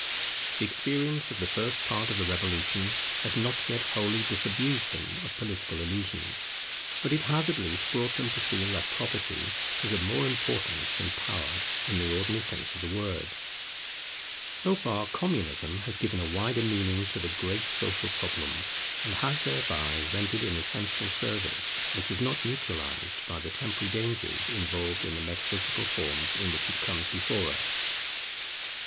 The experience of the first part of the Revolution has not yet wholly disabused them of political illusions, but it has at least brought them to feel that Property is of more importance than Power in the ordinary sense of the word. So far Communism has given a wider meaning to the great social problem, and has thereby rendered an essential service, which is not neutralized by the temporary dangers involved in the metaphysical forms in which it comes before us.